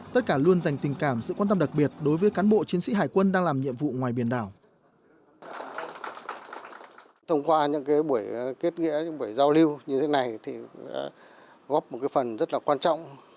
tất cả luôn dành tình cảm sự quan tâm đặc biệt đối với cán bộ chiến sĩ hải quân đang làm nhiệm vụ ngoài biển đảo